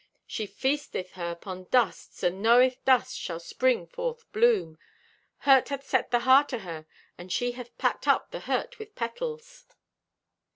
She feasteth her 'pon dusts and knoweth dust shall spring forth bloom. Hurt hath set the heart o' her, and she hath packed up the hurt with petals."